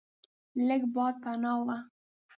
لږ باد پناه و.